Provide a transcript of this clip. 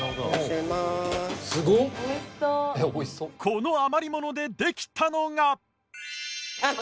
この余り物でできたのが